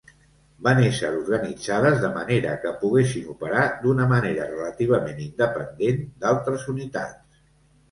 Van ésser organitzades de manera que poguessin operar d'una manera relativament independent d'altres unitats.